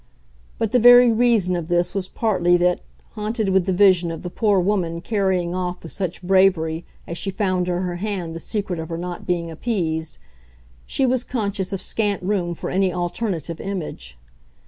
But the very reason of this was partly that, haunted with the vision of the poor woman carrying off with such bravery as she found to her hand the secret of her not being appeased, she was conscious of scant room for any alternative image.